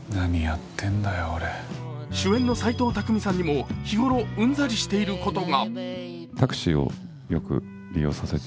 主演の斎藤工さんにも日ごろうんざりしていることが。